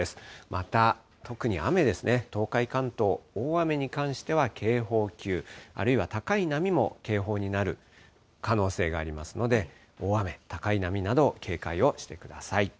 また、特に雨ですね、東海、関東、大雨に関しては警報級、あるいは高い波も警報になる可能性がありますので、大雨、高い波など警戒をしてください。